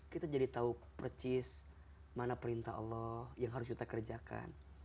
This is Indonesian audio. kita jadi tahu percis mana perintah allah yang harus kita kerjakan